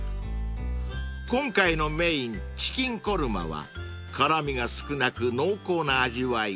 ［今回のメインチキンコルマは辛味が少なく濃厚な味わい］